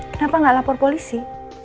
kenapa gak lapor polisi